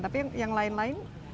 tapi yang lain lain